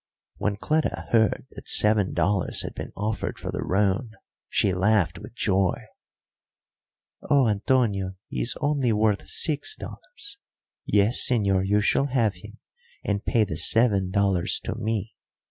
When Cleta heard that seven dollars had been offered for the roan, she laughed with joy. "Oh, Antonio, he is only worth six dollars! Yes, señor, you shall have him, and pay the seven dollars to me.